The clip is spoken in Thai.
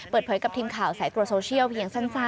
เปิดเผยกับทีมข่าวสายตรวจโซเชียลเพียงสั้น